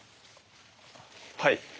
はい。